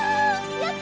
やった！